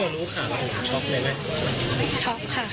ตอนที่มารู้ค่ะคุณถึงช็อคได้ไหม